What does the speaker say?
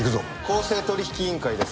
「公正取引委員会です」